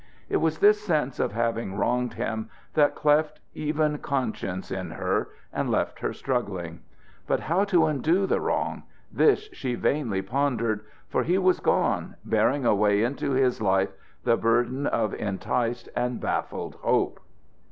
It was this sense of having wronged him that cleft even conscience in her and left her struggling. But how to undo the wrong this she vainly pondered; for he was gone, bearing away into his life the burden of enticed and baffled hope.